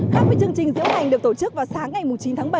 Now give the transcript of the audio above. tham chương trình diễu hành được tổ chức vào sáng ngày chín tháng bảy